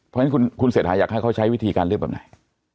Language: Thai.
เพราะฉะนั้นคุณเศรษฐาอยากให้เขาใช้วิธีการเลือกแบบไหน